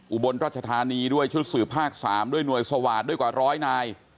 อุบลรัชธานีด้วยชุดสื่อภาค๓ด้วยหน่วยสวาสตร์ด้วยกว่าร้อยนาย